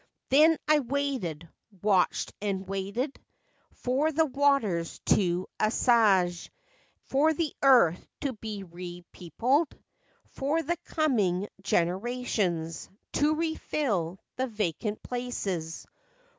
" Then I waited, watched and waited, For the waters to assuage, and For the earth to be re peopled; For the coming generations To refill the vacant places.